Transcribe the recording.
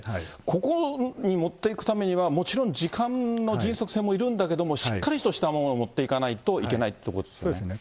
ここにもっていくためには、もちろん時間の迅速性もいるんだけれども、しっかりとしたものを持っていかないといけないってことですね。